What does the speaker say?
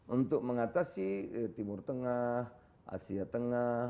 untuk mengatasi timur tengah asia tengah